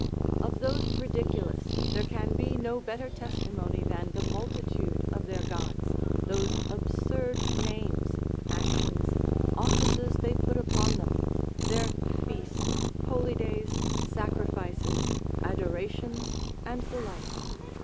Of those ridiculous, there can be no better testimony than the multitude of their gods, those absurd names, actions, offices they put upon them, their feasts, holy days, sacrifices, adorations, and the like.